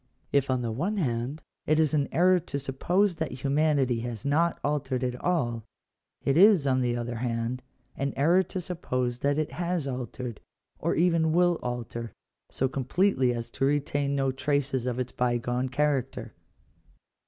If, on the one band, it is an error to suppose that humanity has not altered at all, it is, on the other hand, an error to suppose that it has altered, or even will alter, so completely as to retain no traces of its bygone character.